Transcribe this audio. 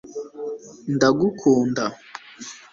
ndagukunda